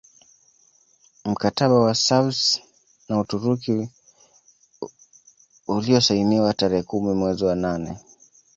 Mkataba wa Sevres na Uturuki uliozsainiwa tarehe kumi mwezi wa nane